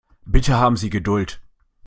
Bitte haben Sie Geduld.